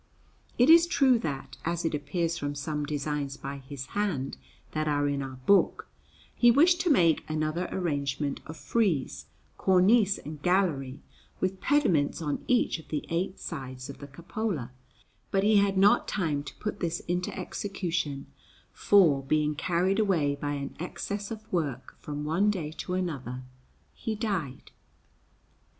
It is true that, as it appears from some designs by his hand that are in our book, he wished to make another arrangement of frieze, cornice, and gallery, with pediments on each of the eight sides of the cupola; but he had not time to put this into execution, for, being carried away by an excess of work from one day to another, he died.